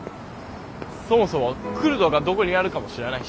そもそもクルドがどこにあるかも知らないし。